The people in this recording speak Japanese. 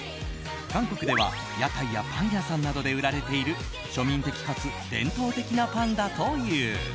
韓国では屋台やパン屋さんなどで売られている庶民的かつ伝統的なパンだという。